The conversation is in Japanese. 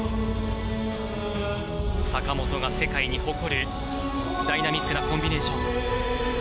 坂本が世界に誇るダイナミックなコンビネーション。